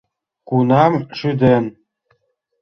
— Кунам шӱден?